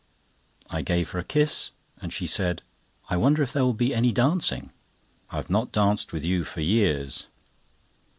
I gave her a kiss, and she said: "I wonder if there will be any dancing? I have not danced with you for years."